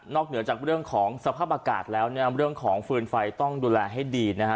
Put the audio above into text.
เหนือจากเรื่องของสภาพอากาศแล้วเนี่ยเรื่องของฟืนไฟต้องดูแลให้ดีนะฮะ